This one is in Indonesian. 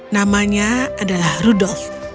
namanya adalah rudolf